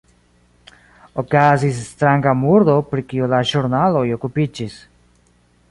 Okazis stranga murdo, pri kio la ĵurnaloj okupiĝis.